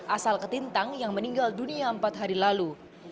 asal ketintang yang meninggal dunia empat hari lalu